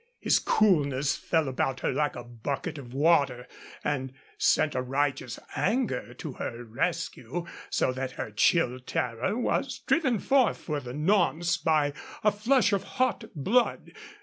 His coolness fell about her like a bucket of water, and sent a righteous anger to her rescue, so that her chill terror was driven forth for the nonce by a flush of hot blood.